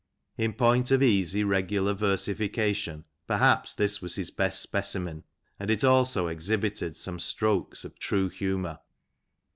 In point of easy, regular versification, perhaps this was his best specimen, and it also exhibited some strokes of humour.